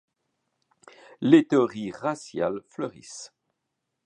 Les théories raciales fleurissent.